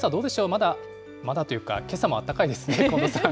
まだ、まだというか、けさもあったかいですね、近藤さん。